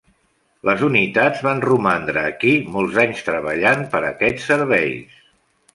Les unitats van romandre aquí molts anys treballant per a aquests serveis.